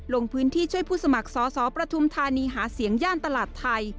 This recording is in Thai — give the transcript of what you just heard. ลงพื้นที่ช่วยผู้สมัครสอสอประทุมธานีหาเสียงย่านตลาดไทย